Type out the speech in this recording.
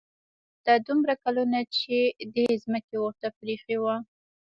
دا دومره کلونه چې دې ځمکه ورته پرېښې وه.